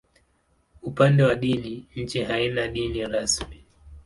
Upande wa dini, nchi haina dini rasmi.